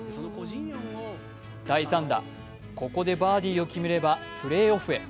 第３打、ここでバーディーを決めればプレーオフへ。